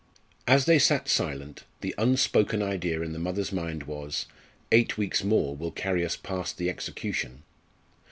As they sat silent, the unspoken idea in the mother's mind was "Eight weeks more will carry us past the execution."